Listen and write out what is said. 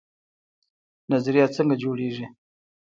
نظریه څنګه جوړیږي؟